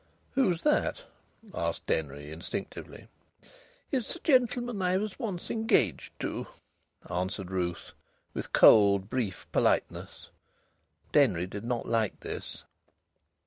"Who's that?" asked Denry, instinctively. "It's a gentleman that I was once engaged to," answered Ruth, with cold, brief politeness. Denry did not like this.